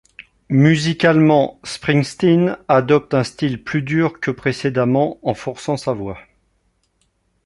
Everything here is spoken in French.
Musicalement, Springsteen adopte un style plus dur que précédemment en forçant sa voix.